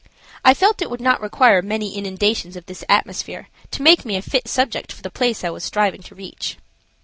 I felt it would not require many inundations of this atmosphere to make me a fit subject for the place I was striving to reach.